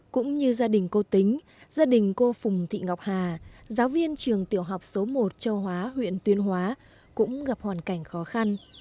cũng như gia đình cô tính gia đình cô phùng thị ngọc hà giáo viên trường tiểu học số một châu hóa huyện tuyên hóa cũng gặp hoàn cảnh khó khăn